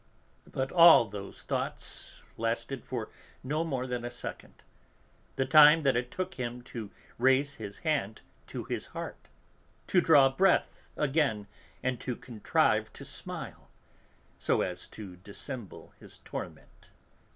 But all those thoughts lasted for no more than a second, the time that it took him to raise his hand to his heart, to draw breath again and to contrive to smile, so as to dissemble his torment.